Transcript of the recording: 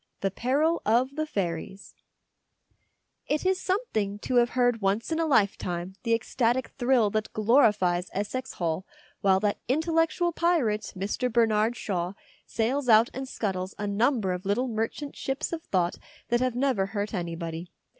THE PERIL OF THE FAIRIES IT is something to have heard once in a lifetime the ecstatic thrill that glorifies Essex Hall while that intellectual pirate Mr. Bernard Shaw sails out and scuttles a number of little merchant ships of thought that have never hurt anybody.